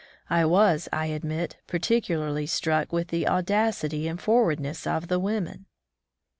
I was, I admit, particularly struck with the audac ity and forwardness of the women.